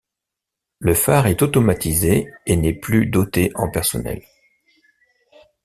Le phare est automatisé et n'est plus doté en personnel.